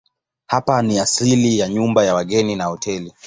Hapa ni asili ya nyumba ya wageni na hoteli.